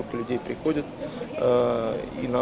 đề kết của hồ chí minh là